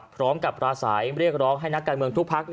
ปราศัยเรียกร้องให้นักการเมืองทุกพัก